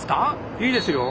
いいですよ！